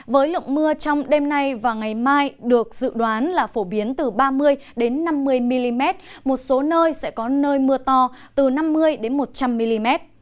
với lượng mưa trong đêm nay và ngày mai được dự đoán là phổ biến từ ba mươi năm mươi mm một số nơi sẽ có nơi mưa to từ năm mươi một trăm linh mm